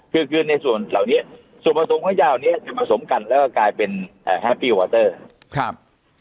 คือคือในส่วนเหล่านี้ส่วนผสมของยาวนี้คือผสมกันแล้วก็กลายเป็นแฮปปี้วอเตอร์ครับ